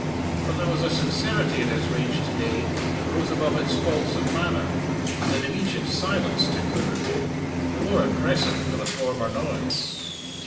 But there was a sincerity in his rage to day that rose above its faults of manner; and an immediate silence took the room the more impressive for the former noise.